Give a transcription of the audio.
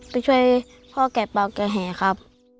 ไปช่วยพ่อแกะเป่าแกะแห่ครับ